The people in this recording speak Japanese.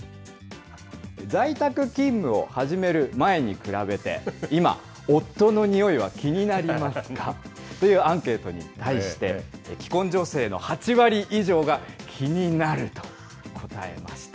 在宅勤務を始める前に比べて、今、夫のにおいは気になりますか？というアンケートに対して、既婚女性の８割以上が気になると答えました。